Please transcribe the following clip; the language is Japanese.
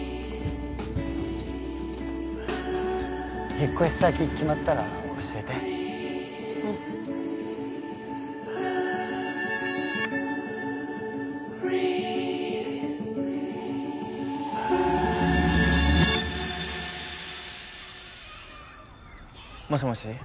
引っ越し先決まったら教えてうんもしもし？